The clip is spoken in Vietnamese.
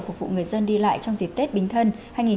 phục vụ người dân đi lại trong dịp tết bình thân